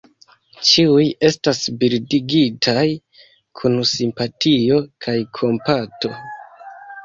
Ĉiuj estas bildigitaj kun simpatio kaj kompato.